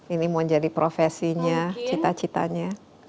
ini mau jadi profesinya cita citanya